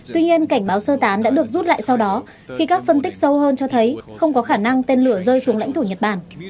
tuy nhiên cảnh báo sơ tán đã được rút lại sau đó khi các phân tích sâu hơn cho thấy không có khả năng tên lửa rơi xuống lãnh thổ nhật bản